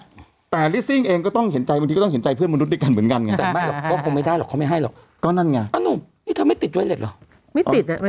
เออแต่ลิสซิ่งเองก็ต้องเห็นใจบางทีก็ต้องเห็นใจเพื่อนมนุษย์ด้วยกันเหมือนกันไง